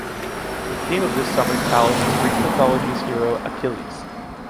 The theme of this summer palace is Greek mythology’s hero Achiles.